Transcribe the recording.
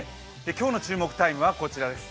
今日の注目タイムはこちらです。